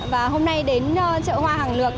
và hôm nay đến chợ hoa hàng lược